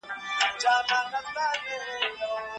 ماشومان له پخوا راهیسې په ښوونځي کې پاتې وو.